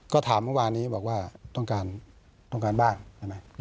ก็ถามเมื่อวานนี้บอกว่าต้องการบ้างใช่ไหม